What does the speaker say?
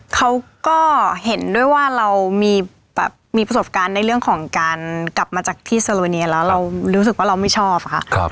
เขาก็เห็นด้วยว่าเรามีประสบการณ์ในเรื่องของการกลับมาจากที่โซโลเนียแล้วเรารู้สึกว่าเราไม่ชอบค่ะ